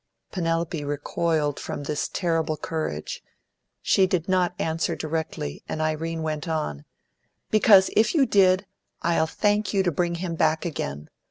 Penelope recoiled from this terrible courage; she did not answer directly, and Irene went on, "Because if you did, I'll thank you to bring him back again.